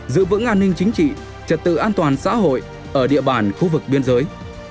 giữ vững an ninh chính trị trật tự an toàn xã hội ở địa bàn khu vực biên giới